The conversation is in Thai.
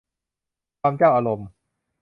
ความเจ้าอารมณ์